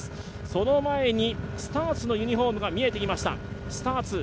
その前にスターツのユニフォームが見えてきました。